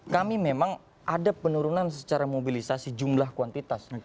kami memang ada penurunan secara mobilisasi jumlah kuantitas